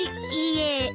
いいいえ。